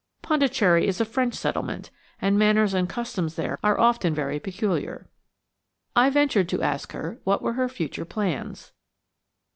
Pondicherry is a French settlement, and manners and customs there are often very peculiar. I ventured to ask her what were her future plans.